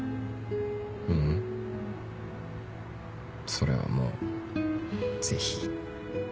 ううん。それはもうぜひ。